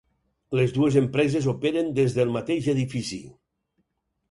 Les dues empreses operen des del mateix edifici.